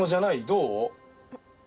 どう？